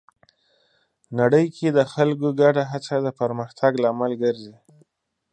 نړۍ کې د خلکو ګډه هڅه د پرمختګ لامل ګرځي.